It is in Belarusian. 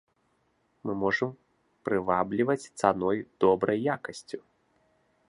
Мы можам прывабліваць цаной, добрай якасцю!